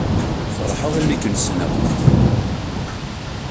Feṛḥeɣ imi ken-ssneɣ.